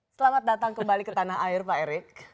selamat datang kembali ke tanah air pak erik